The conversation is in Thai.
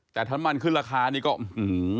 แต่น้ำมันขึ้นราคานี่ก็หื้อ